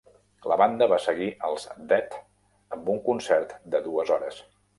La banda va seguir als Dead amb un concert de dues hores.